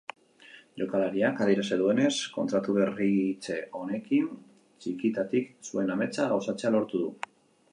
Jokalariak adierazi duenez, kontratu berritze honekin txikitatik zuen ametsa gauzatzea lortu du.